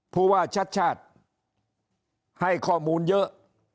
ผู้ว่าชัดชาติให้ข้อมูลเยอะ